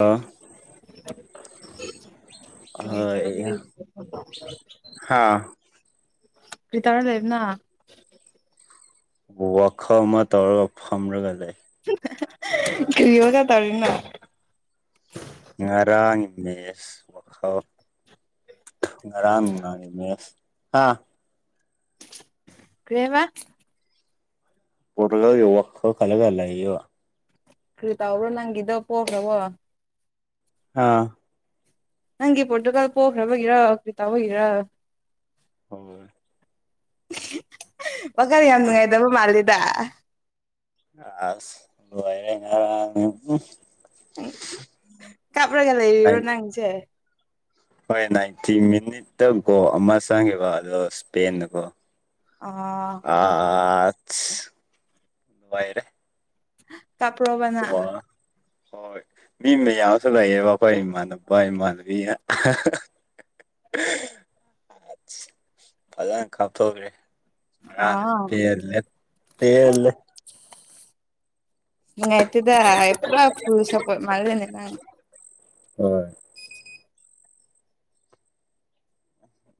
ꯑ ꯀ ꯆꯥꯡ ꯄꯔꯤꯇꯔꯝ ꯗꯦꯕꯅ ꯋꯥꯈ ꯑꯃ ꯇꯧꯔ ꯑꯣ ꯐꯝꯔꯒ ꯂꯩꯦ ꯀ ꯋꯥꯒ ꯇꯧꯔꯅ ꯉꯔꯥꯡ ꯃꯦꯁ ꯋꯥꯈꯛ ꯉꯔꯥꯡ ꯉꯃꯦꯁ ꯍꯥꯥ ꯀꯦꯃ ꯄꯨꯔꯂ ꯌꯨ ꯋꯥꯈ ꯀꯂꯒꯂꯣ ꯀ꯭ꯔꯤꯇꯥꯥꯎ꯭ꯔꯣ ꯅꯪꯗ ꯄꯈ꯭ꯔꯕꯣ ꯑꯥ ꯅꯪꯒꯤ ꯄꯣꯔꯇꯨꯒꯥꯜ ꯄꯣꯛꯈ꯭ꯔꯕꯒꯤꯔ ꯀ꯭ꯔꯤꯇꯥꯕꯒꯤꯔ ꯍꯣꯏ ꯋꯥꯀꯥꯅ ꯌꯥꯝ ꯅꯨꯡꯉꯥꯏꯇꯕ ꯃꯥꯜꯜꯂꯤꯗ ꯑ ꯋꯥꯔꯦ ꯀꯥꯄ꯭ꯔꯒ ꯂꯩꯔꯣ ꯅꯥꯏ ꯅꯪꯁꯦ ꯍꯣꯏ ꯅꯥꯏꯟꯇꯤ ꯃꯤꯅꯤꯠꯇ ꯒꯣꯜ ꯑꯃ ꯆꯪꯉꯦꯀ ꯑꯗꯣ ꯏꯁꯄꯦꯟꯗꯀꯣ ꯑꯣ ꯑ ꯗꯨꯕꯥꯏꯔꯦ ꯀꯄꯔꯣꯕꯅ ꯍꯣꯏ ꯃꯤ ꯃ ꯌꯥꯎꯁꯨ ꯂꯩꯌꯦꯕ ꯑꯩꯈꯣꯏ ꯏꯃꯥꯟꯅꯕ ꯏꯃꯥꯟꯅꯕꯤ [inaudible] ꯐꯖꯅ ꯀꯥꯞꯊꯣꯛꯈ꯭ꯔꯦ ꯑꯣ ꯑꯠꯇꯦ ꯂꯩꯠꯇꯦ ꯂꯩ ꯏꯥꯏꯇꯗ ꯑꯦꯄ꯭ꯔꯥ ꯐꯜ ꯁꯄꯣ ꯃꯥꯗꯅꯦ ꯅꯪ ꯍꯣꯏ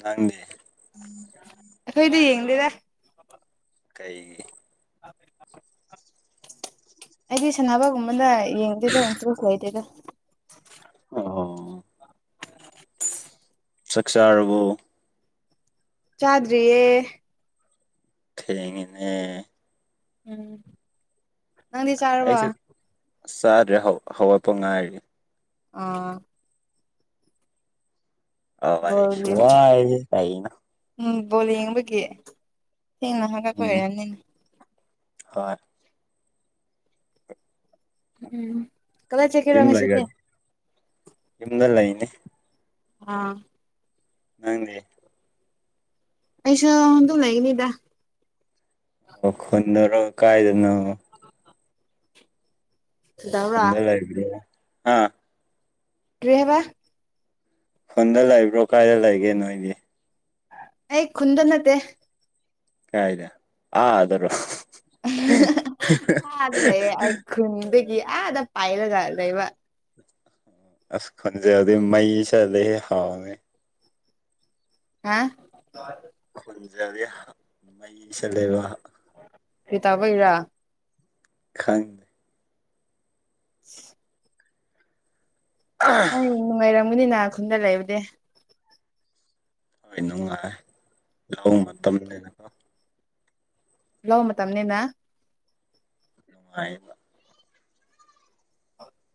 ꯅꯪꯗꯤ ꯑꯩꯈꯣꯏꯗꯤ ꯌꯦꯡꯗꯦꯗ ꯀꯩ ꯑꯩꯒꯤ ꯁꯅꯥꯕꯒꯨꯝꯕ ꯂꯩ ꯌꯦꯡꯗꯗ ꯏꯟꯁꯔꯁ ꯂꯩꯗꯗ ꯑꯣ ꯆꯥꯛꯆꯥꯥꯔꯕꯕꯨ ꯆꯥꯗ꯭ꯔꯤꯌꯦ ꯈꯉꯅꯦ ꯎꯝ ꯅꯪꯗꯤ ꯆꯥꯔꯕ ꯑꯩꯁꯨ ꯆꯥꯗ꯭ꯔꯦ ꯍꯧꯔꯠꯄ ꯉꯥꯏꯔꯤ ꯑ ꯑꯚꯥꯏ ꯕꯣꯜ ꯁ ꯌꯦꯡ ꯋꯥ ꯍꯥꯏ ꯀꯥꯏꯅ ꯎꯝ ꯕꯣꯜ ꯌꯦꯡꯕꯒꯤ ꯊꯦꯡꯅ ꯍꯪꯒꯠꯄ ꯑꯣꯏꯔꯅꯤꯅ ꯑꯣꯏ ꯎꯝ ꯀꯗꯥꯏ ꯆꯠꯀꯦꯔꯣ ꯝ ꯂ ꯉꯁꯤꯗꯤ ꯂꯩꯒꯗ ꯝꯗ ꯂ ꯏꯅꯦ ꯑꯥ ꯅꯪꯗꯤ ꯑꯩꯁꯥ ꯍꯗ ꯂꯩꯒꯅꯤꯗ ꯑꯣꯈꯟꯗꯔ ꯀꯥꯏꯗꯅꯣ ꯑ ꯐꯗ ꯂꯩ ꯍꯥꯏ ꯑꯥ ꯔꯦꯍꯕ ꯐꯣꯟꯗ ꯂꯩꯏꯕ꯭ꯔꯣ ꯀꯥꯏꯗ ꯂꯩꯒꯦ ꯅꯣꯏꯗꯤ ꯑꯩ ꯈꯨꯟꯗ ꯅꯠꯇꯦ ꯀꯥꯏꯗ ꯑ ꯑꯗꯔꯣ ꯑꯗ ꯂꯩꯌꯦ ꯈꯟꯗꯒꯤ ꯑ ꯑꯗ ꯄꯥꯏꯂꯒ ꯂꯩꯩꯕ ꯑꯁ ꯈꯟꯖꯦꯗꯤ ꯃꯩ ꯆꯗ ꯍꯥꯎꯅꯦ ꯍꯥ ꯑꯗꯨꯗꯤ ꯃꯩꯁ ꯂꯩꯕ ꯁꯤꯤ ꯇꯕꯩꯔ ꯈꯗ [unintelligible] ꯑꯥ ꯅꯪ ꯅꯨꯡꯉꯥꯏꯔꯝꯒꯅꯤ ꯅꯍ ꯈꯨꯟꯗ ꯂꯩꯕꯗꯤ ꯍꯣꯏ ꯅꯨꯡꯉꯥꯏ ꯂꯧꯍꯣꯡ ꯎꯝ ꯃꯇꯝꯅꯦꯅ ꯂꯑꯣ ꯃ ꯇꯝꯅꯤꯅ ꯅꯨꯡꯉꯥꯏꯅ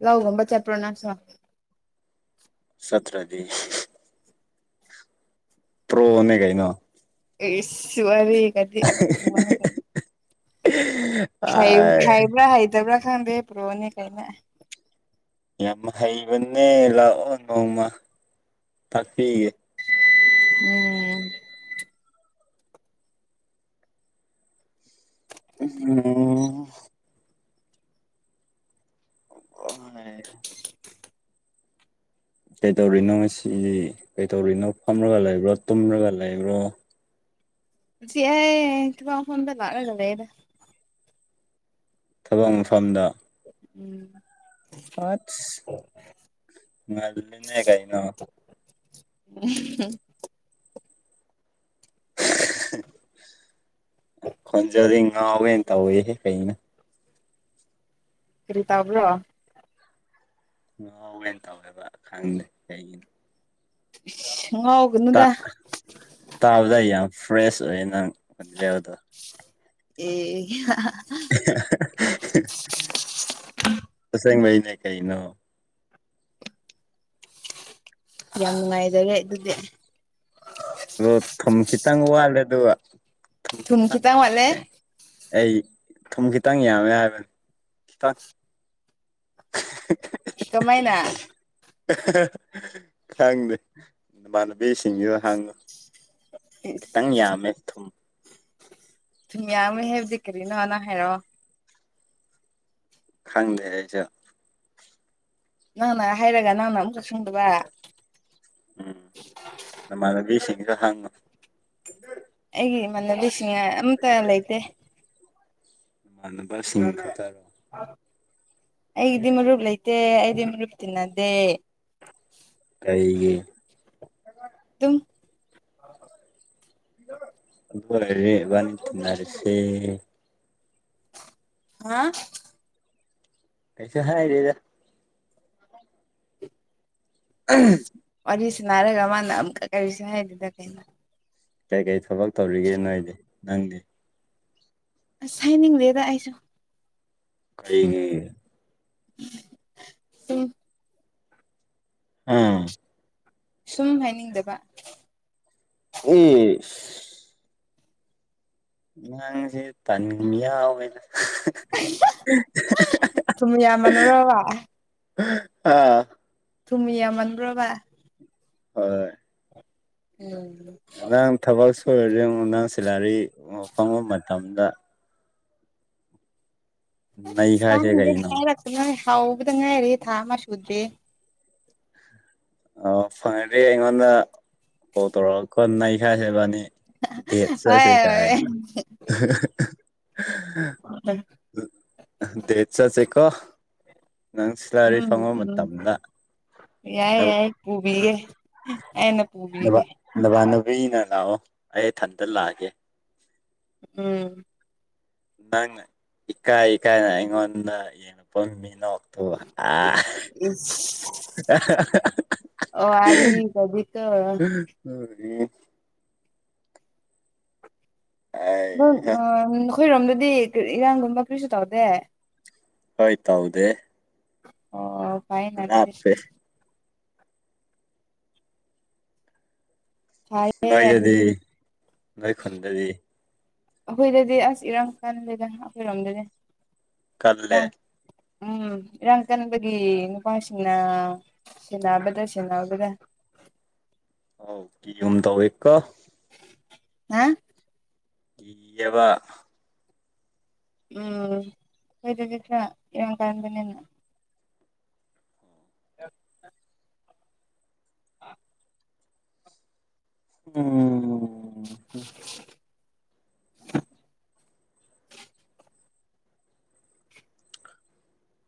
ꯂꯒꯝꯕ ꯆꯦꯄꯔꯣꯅꯁ ꯁꯇ꯭ꯔꯥ ꯄ꯭ꯔꯣꯅꯦ ꯀꯥꯏꯩꯅꯣ ꯁꯔꯤ ꯀꯗꯤ ꯑꯥꯏ ꯍꯥꯏꯩꯕ꯭ꯔꯥ ꯍꯥꯏꯩꯗꯕ꯭ꯔꯥ ꯈꯕꯦꯕ꯭ꯔꯣꯅꯦ ꯀꯥꯏꯩꯅ ꯌꯥꯝ ꯍꯩꯕꯅꯦ ꯂꯥꯛꯑꯣ ꯅꯣꯡꯃ ꯇꯥꯛꯄꯤꯒꯦ ꯎꯝ ꯎꯝ ꯍ ꯀꯩꯗꯧꯔꯤꯅꯣ ꯉꯁꯤꯗꯤ ꯀꯩꯗꯧꯔꯤꯅꯣ ꯐꯝꯔꯒ ꯂꯩꯕ꯭ꯔꯣ ꯇꯨꯝꯔꯒ ꯂꯩꯕ꯭ꯔꯣ ꯁꯤꯥꯏ ꯀꯃ ꯐꯣꯟꯗ ꯂꯥꯛꯂ ꯂꯔꯦꯗꯦ ꯊꯕꯛ ꯃꯐꯝꯗ ꯎꯝ ꯑ ꯅꯅꯦ ꯀꯩꯅꯣ [inaudible] [unintelligible] ꯈꯣꯟꯖꯗ ꯉꯥꯎꯋꯦꯅ ꯇꯧꯋꯦꯍꯦ ꯀꯩꯅ ꯀꯔꯤ ꯇꯕ꯭ꯔꯣ ꯉꯋꯦꯅ ꯇꯧꯋꯦꯕ ꯈꯪꯗꯦ ꯀꯩꯒꯤꯅꯣ [inaudible] ꯇꯥꯕꯗ ꯑꯩ ꯌꯥꯝ ꯐ꯭ꯔꯦꯁ ꯑꯣꯏꯌꯦ ꯅꯪ ꯑꯣꯖꯕꯗꯣ ꯑꯦ ꯍꯁꯚꯏꯅꯦ ꯀꯩꯅꯣ ꯌꯥꯝ ꯅꯨꯡꯉꯥꯏꯖꯔꯦ ꯑꯗꯨꯗꯤ ꯇꯪ ꯋꯥꯜꯗꯦ ꯑꯗꯨ ꯊꯝ ꯀ ꯇ ꯃꯥꯂꯦ ꯑꯩ ꯊꯨꯝ ꯈꯤꯇꯪ ꯌꯥꯝꯃꯦ ꯍꯥꯏꯕꯅꯦ ꯈꯤꯇꯪ ꯀꯃꯥꯏꯅ ꯈꯪꯗꯦ ꯏꯃꯥꯟꯅꯕꯤꯁꯤꯡꯁꯤꯗ ꯍꯥꯡꯉꯨ ꯈꯤꯇꯪ ꯌꯥꯃꯦ ꯊꯨꯝ ꯌꯥ ꯑꯃ ꯍꯥꯏꯕꯗꯤ ꯀꯔꯤꯅꯣꯅ ꯍꯥꯏꯔꯛꯑꯣ ꯈꯪꯗꯦ ꯍꯥꯏꯁ ꯅꯪꯅ ꯍꯥꯏꯔꯒ ꯅꯪꯅ ꯑꯃꯨꯛꯀ ꯁꯪꯗꯕ ꯎꯝ ꯅꯃꯥꯟꯅꯕꯤꯁꯤꯡꯒ ꯍꯪꯉꯣ ꯑꯩꯒꯤ ꯏꯃꯥꯟꯅꯕꯤꯁꯤꯡ ꯑꯝꯇ ꯂꯩꯇꯦ ꯃꯅꯕꯁꯤꯡ ꯈ ꯇꯔꯣ ꯑ ꯑꯩꯒꯤꯗꯤꯃꯔꯨꯞ ꯂꯩꯇꯦ ꯑꯩꯗꯤꯃꯔꯨꯞꯨꯞ ꯇꯤꯟꯅꯗꯦ ꯂꯩꯩꯒ [inaudible] ꯕꯥꯅꯤꯟꯅꯔꯁꯦ ꯍꯥ ꯄꯩꯁꯗꯗ ꯑꯝ ꯋꯥꯔꯤꯁꯤ ꯅꯥꯔꯒ ꯃꯥꯅ ꯑꯃꯨꯛꯀ ꯀꯔꯤꯁꯦ ꯍꯥꯏꯔꯤꯗ ꯀꯩꯅꯣ ꯀꯩꯀꯩ ꯊꯕꯛ ꯇꯧꯔꯤꯒꯦ ꯅꯣꯏꯗꯤ ꯅꯪꯗꯤ ꯁꯥꯏꯅꯤꯡ ꯂꯩꯦꯗ ꯑꯩꯁꯨ ꯀꯩꯅꯤ [inaudible] ꯎꯝ ꯑꯥ ꯁꯨꯝ ꯍꯥꯏꯅꯤꯡꯗꯕ ꯏꯁ ꯅꯪꯁꯤ ꯇꯟ ꯌꯥꯎꯋꯦꯗ ꯊꯨꯝ ꯌꯥꯝꯃꯟꯕ꯭ꯔꯣꯕ [unintelligible] ꯑꯥ ꯊꯃꯤ ꯌꯥꯝꯃꯟꯕ꯭ꯔꯣꯕꯥ ꯍꯣꯏ ꯎꯝ ꯅꯪ ꯊꯕꯛ ꯁꯨꯔ [inaudible] ꯅꯪ ꯁꯦꯂꯥꯔꯤ ꯐꯪꯕ ꯃꯇꯝꯗ ꯅꯩꯈꯥꯏꯁꯦ ꯇꯅꯤꯡꯗꯦ ꯀꯩꯅꯣ ꯌꯥꯔꯅ ꯊꯥꯎꯕꯗ ꯉꯥꯏꯔꯤ ꯊꯥ ꯃꯁꯨꯨꯗꯦ ꯑ ꯐꯪꯉ꯭ꯔꯦ ꯑꯩꯉꯣꯟꯗ ꯄ ꯇꯧꯔꯛꯒ ꯈꯣꯅ ꯑꯩꯈꯁꯦꯕꯅꯤ ꯗꯦꯠ ꯍꯣꯏ ꯆꯁꯦ ꯀꯥꯏꯅ ꯗꯦꯆꯁꯦ ꯀꯣ ꯅꯪ ꯁꯤꯂꯔꯤ ꯎꯝ ꯐꯪꯉꯕ ꯎꯝ ꯃꯇꯝꯗ ꯌꯥꯏ ꯌꯥꯏ ꯄꯨꯕꯤꯒꯦ ꯑꯩꯅ ꯄꯨꯕꯤꯒꯦ ꯀꯨꯏꯅ ꯂꯥꯛꯑꯣ ꯑꯩ ꯏꯊꯟꯇ ꯂꯥꯛꯑꯒꯦ ꯎꯝ ꯅꯪ ꯏꯀꯥꯏ ꯏꯀꯥꯏꯅ ꯑꯩꯉꯣꯟꯗ ꯌꯦꯡꯉꯄ ꯃꯤꯅꯣ ꯑ ꯑꯣ ꯋꯥꯔꯤꯒꯗꯤꯀꯣ [unintelligible] ꯎ [unintelligible] ꯑꯗꯝ ꯑꯩꯍꯥ ꯅꯈꯣꯏꯔꯣꯝꯗꯗꯤ ꯏꯔꯥꯡꯒꯨꯝꯕ ꯀꯔꯤꯁꯨ ꯇꯧꯗꯦ ꯍꯣꯏ ꯇꯧꯗꯦ ꯑꯣ ꯐꯥꯏꯅ ꯂꯥꯞꯄꯦ ꯐꯔꯦ ꯅꯣꯏꯗꯗꯤ ꯑꯗꯨꯗꯤ ꯅꯣꯏ ꯈꯣꯟꯗꯗꯤ ꯑꯩꯈꯣꯏꯗꯗꯤ ꯑꯁ ꯏꯔꯥꯡ ꯆꯥꯟꯅꯗꯗꯅ ꯑꯩꯈꯣꯏꯔꯣꯝꯗꯗꯤ ꯏꯔꯥꯡ ꯀꯗꯂꯦ ꯎꯝ ꯏꯔꯥꯡ ꯆꯟꯅꯕꯒꯤ ꯅꯨꯄꯥꯁꯤꯡꯅ ꯁꯦꯟꯅꯕꯗ ꯁꯦꯟꯅꯕꯗ [inaudible] ꯍꯥꯎ ꯀ ꯌꯟ ꯇꯧꯏ ꯀ ꯍꯥ ꯏꯕ ꯎꯝ ꯑꯣꯏꯣꯏꯗꯁ ꯌꯦꯃꯟ ꯀꯥꯟꯗꯅꯤꯅ ꯑ ꯎꯝ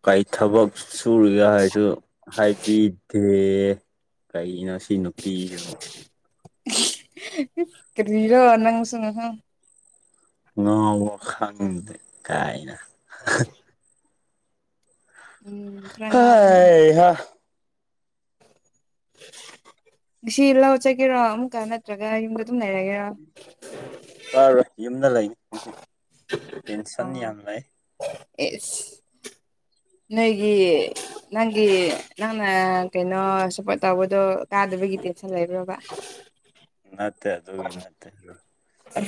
ꯀꯔꯤ ꯊꯕꯛ ꯁꯨꯔꯤꯒꯦ ꯍꯥꯏꯔꯁꯨ ꯍꯥꯏꯕꯤꯗꯦ ꯀꯩꯅꯣ ꯁꯤ ꯅꯨꯄꯤꯁꯨ ꯀꯔꯤꯔ ꯋꯥꯅꯉꯁꯨꯅꯣ ꯉ ꯈꯪꯗ ꯀꯥꯏꯅ ꯎꯝ ꯈꯔ ꯉꯥꯎꯕꯅꯦ ꯍꯩꯍꯥ ꯁꯤ ꯏꯂ ꯍ ꯆꯀꯤꯦꯔꯣ ꯑꯃꯛ ꯀ ꯅꯠꯇ꯭ꯔꯒ ꯏ ꯑꯗꯨꯝ ꯂꯩꯔꯒꯦꯔ ꯆꯥꯔꯣꯏ ꯌꯨꯝꯗ ꯂꯩ ꯇꯦꯟꯁꯟ ꯑꯥ ꯌꯥꯝ ꯂꯩ ꯑꯦꯁ ꯅꯣꯏꯒꯤ ꯅꯪꯒꯤ ꯅꯪꯅ ꯀꯩꯅꯣ ꯁꯞꯄꯣꯔꯠ ꯇꯧꯕꯗꯣ ꯀꯥꯗꯕꯒꯤ ꯦꯁꯟ ꯂꯩꯕ꯭ꯔꯕ ꯅꯅꯥꯠꯇ ꯑꯗꯨꯣꯒꯤ ꯅꯠꯇ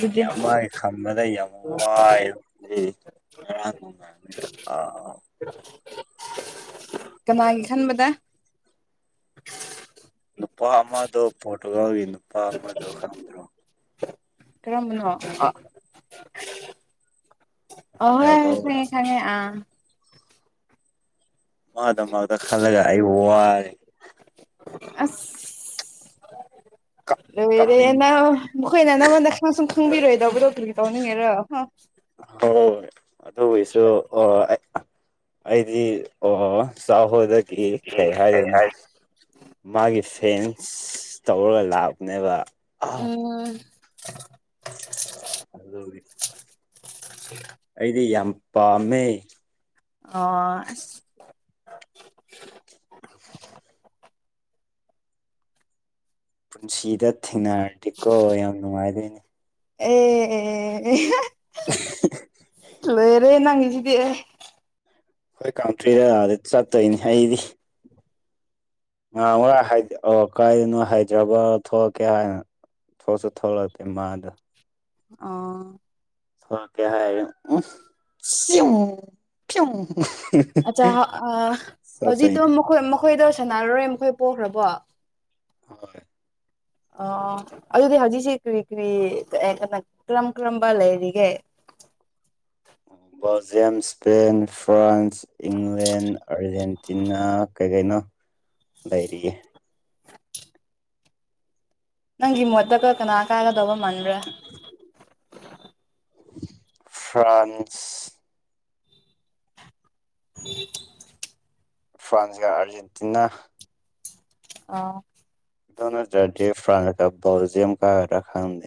ꯃꯤ ꯑꯃꯒꯤ ꯈꯟꯕꯗ ꯌꯥꯝ ꯋꯥꯏ ꯃ ꯑ ꯀꯅꯥꯒꯤꯦ ꯈꯟꯕꯗ ꯄꯝꯕꯗꯣ ꯈꯝꯗ꯭ꯔꯣ ꯀꯔꯝꯕꯅꯣ ꯔꯣꯅꯦꯜꯗꯣ ꯑꯣꯍꯣꯏ ꯈꯥꯉꯦ ꯈꯥꯉꯦ ꯑ ꯃꯥꯗ ꯃꯥꯗ ꯈꯜꯂꯒ ꯑꯩ ꯋꯥꯔꯦ ꯑꯁ ꯂꯣꯏꯔꯦ ꯀꯞꯅꯤꯡ ꯅꯪ ꯃꯈꯣꯏꯅ ꯅꯪꯉꯣꯟꯗ ꯁꯨꯝ ꯈꯪꯕꯤꯔꯣꯏꯗꯧꯕ ꯗꯣꯛꯇꯔꯒꯤ ꯇꯧꯅꯤꯡꯉꯦꯔꯣ ꯍ ꯑꯗꯨ ꯑꯣꯏꯁꯨ ꯑꯩꯗꯤ ꯑꯣ ꯁꯥꯥꯎ ꯍꯣꯗ ꯀꯩ ꯍꯥꯏꯗꯣꯏꯅꯣ ꯃꯥꯒꯤ ꯐꯦꯟꯁ ꯇꯧꯔꯒ ꯂꯥꯛꯄꯅꯦꯕ ꯎꯝ ꯑꯗꯨ ꯑꯩꯗꯤ ꯌꯥꯝ ꯄꯥꯥꯝꯃꯦ ꯑꯣ [unintelligible] ꯄꯨꯟꯁꯤꯗ ꯊꯦꯡꯅꯔꯗꯤꯀꯣ ꯌꯥꯝ ꯅꯨꯡꯉꯥꯏꯗꯣꯏꯅꯦ ꯑꯦꯋꯔꯦ ꯅꯪꯉꯁꯤ ꯌꯦ ꯍꯣꯏ ꯀꯥꯎꯇ꯭ꯔꯤꯗ ꯂꯥꯛꯑꯗꯤ ꯆꯠꯇꯣꯏꯅꯤ ꯑꯩꯗꯤ ꯉꯔ ꯑꯣ ꯀꯥꯏꯗꯅꯣ ꯍꯥꯏꯗ꯭ꯔꯕꯥꯗ ꯊꯣꯛꯛꯀꯦ ꯍꯥꯏꯅ ꯊꯣꯁ ꯊꯧꯂꯛ ꯄ ꯃꯥꯗ ꯑꯥ ꯊꯣꯛꯂꯛꯀꯦ ꯍꯥꯏꯔꯦ ꯎ ꯑꯠꯆꯥ ꯍꯧꯖꯤꯛꯇꯣ ꯃꯈꯣꯏ ꯃꯈꯣꯏꯗꯣ ꯁꯥꯟꯅꯔꯔꯣꯏ ꯃꯈꯣꯏ ꯄꯣꯛꯈ꯭ꯔꯕꯣ ꯍꯣꯏ ꯑꯣ ꯑꯗꯨꯗꯤ ꯍꯧꯖꯤꯛꯁꯤ ꯀꯔꯤ ꯀꯔꯤ ꯀꯩꯅꯣ ꯀꯔꯝ ꯀꯔꯝꯕ ꯂꯩꯔꯤꯒꯦ [inaudible] ꯕꯜꯖꯤꯌꯝ ꯏꯁꯄꯦꯟ ꯐ꯭ꯔꯥꯟꯁ ꯏꯪꯂꯦꯟ ꯑꯥꯔꯖꯦꯟꯇꯤꯅꯥ ꯀꯩ ꯀꯩꯅꯣ ꯏꯔꯤꯦ ꯅꯪꯒꯤ ꯃꯣꯠꯇꯒ ꯀꯅꯥ ꯀꯥꯏꯒꯗꯧꯕ ꯃꯥꯟꯕ꯭ꯔꯥ ꯐ꯭ꯔꯥꯟꯁ ꯎꯝ ꯐ꯭ꯔꯥꯟꯁꯒ ꯑꯥꯔꯖꯦꯟꯇꯤꯅꯥ ꯑꯥ ꯗꯅ ꯍꯖꯔꯗꯤ ꯐ꯭ꯔꯥꯟꯁ ꯀ ꯣꯜꯖꯤꯌꯝ ꯀ ꯔ ꯈꯥꯟꯅꯤ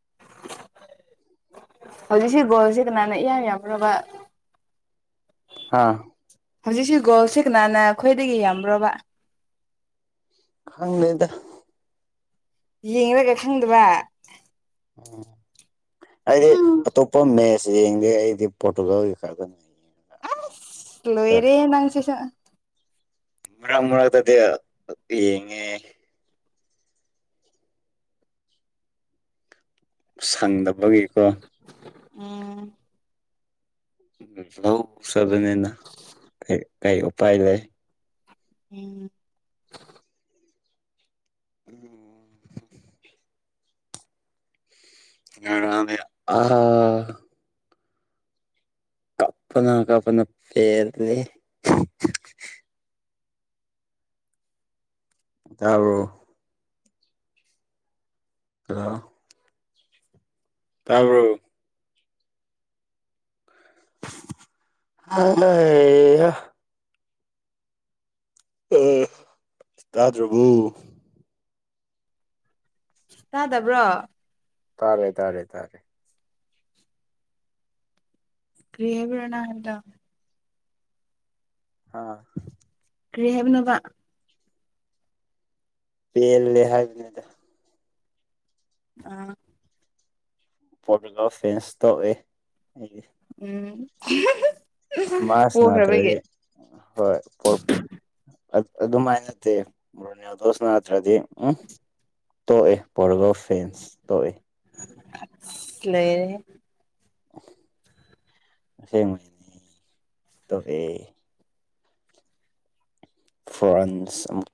[unintelligible] ꯍꯧꯖꯤꯛꯁꯤ ꯒꯣꯜꯁꯦ ꯀꯅꯥꯅ ꯏꯌꯥ ꯌꯥꯕ ꯍꯥ ꯍꯧꯖꯤꯛꯁꯤ ꯒꯣꯜꯁꯦ ꯀꯅꯥꯅ ꯈꯈꯣꯏꯗꯒꯤ ꯌꯥꯝ꯭ꯔꯣꯕ ꯈꯪ ꯂꯩꯗ ꯌꯦꯡꯒ ꯈꯪꯗꯕ ꯎ ꯑꯩꯗꯤ ꯎꯝ ꯑꯇꯣꯞꯄ ꯃꯦꯠꯆ ꯌꯦꯡꯗꯦ ꯑꯩꯗꯤ ꯄꯣꯔꯇꯨꯒꯥꯜꯒꯤ ꯈꯛꯛꯇ ꯌꯦꯡꯉ ꯁ꯭ꯂꯣꯋꯔꯦ ꯅ ꯆ ꯃꯔꯛ ꯃꯔꯛꯇꯗꯤ ꯌꯦꯡꯉꯦ ꯁꯪꯗꯕꯒꯤꯀꯣ ꯎꯝ ꯂꯧ ꯁꯕꯅꯤꯅ ꯀ ꯀꯩ ꯎꯄꯥꯏ ꯂꯩ ꯎꯝ ꯑꯣ ꯑ ꯀꯄꯅ ꯀꯄꯅ ꯄꯔ ꯂꯩ ꯇꯥꯔ ꯀ ꯇꯥꯔꯕ ꯑꯌꯦ ꯎꯝ ꯇꯥꯗ꯭ꯔꯚꯨ ꯇꯗꯕ꯭ꯔꯣ ꯇꯥꯔꯦ ꯇꯥꯔꯦ ꯇꯥꯔꯦ ꯀꯔꯤꯌꯥꯕꯅ ꯍꯥꯏꯗ ꯑꯥ ꯀꯩꯍꯥꯏꯕꯅꯣꯕ ꯄꯦꯜꯂꯦ ꯍꯥꯏꯕꯅꯤꯗ ꯑꯥ ꯄꯣꯂꯤꯀꯦꯜ ꯐꯦꯟꯁ ꯊꯣꯛꯧꯑꯦ ꯑꯩꯗꯤ ꯎꯝ ꯃꯥꯁ ꯄꯣꯈ꯭ꯔꯕꯒꯤ ꯉꯅꯥꯠꯇ꯭ꯔꯗꯤ ꯍꯣꯏ ꯑꯗꯨꯃꯥꯏꯅ ꯅꯠꯇꯦ ꯕ꯭ꯔꯣꯅꯤꯗꯣꯁ ꯅꯠꯇ꯭ꯔꯗꯤ ꯎꯝ ꯇꯣꯛꯑꯦ ꯄꯣꯔꯒ ꯐꯦꯟꯁ ꯊꯣꯛꯧꯏ ꯂꯩꯌꯦ ꯑꯁꯦꯡꯕ [unintelligible] ꯇꯣꯛꯑꯦ ꯐ꯭ꯔꯥꯟꯁ ꯑꯃꯨ